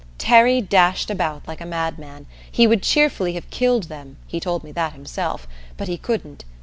Terry dashed about like a madman; he would cheerfully have killed them he told me that, himself but he couldn't.